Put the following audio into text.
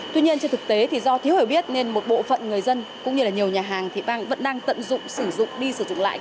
tuy nhiên trên thực tế thì do thiếu hiểu biết nên một bộ phận người dân cũng như là nhiều nhà hàng thì vẫn đang tận dụng sử dụng đi sử dụng lại